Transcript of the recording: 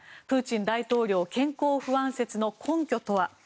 プーチン大統領健康不安説の根拠とは。